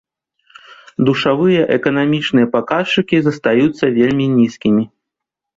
Душавыя эканамічныя паказчыкі застаюцца вельмі нізкімі.